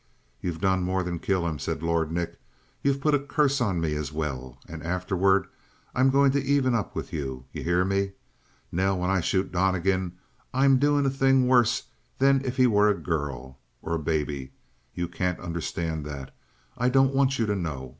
"You've done more than kill him," said Lord Nick. "You've put a curse on me as well. And afterward I'm going to even up with you. You hear me? Nell, when I shoot Donnegan I'm doing a thing worse than if he was a girl or a baby. You can't understand that; I don't want you to know.